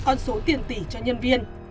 con số tiền tỷ cho nhân viên